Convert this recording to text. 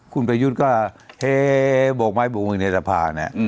คุณประยุทธก็เฮ้บอกไว้บอกเมืองเดรัฐภาคมนะ